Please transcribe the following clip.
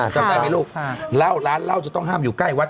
จำได้ไหมลูกเล่าร้านเหล้าจะต้องห้ามอยู่ใกล้วัด